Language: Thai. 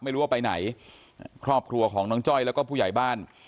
ไม่รู้ว่าไปไหนครอบครัวของน้องจ้อยแล้วก็ผู้ใหญ่บ้าน